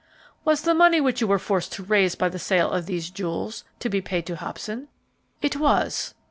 "Was the money which you were forced to raise by the sale of these jewels to be paid to Hobson?" "It was."